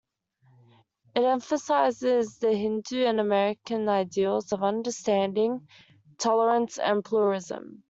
It emphasises the Hindu and American ideals of understanding, tolerance and pluralism.